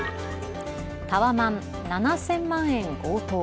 タワマン７０００万円強盗。